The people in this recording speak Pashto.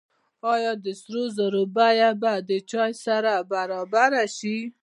آیا د سرو زرو بیه به د چای سره برابره شي؟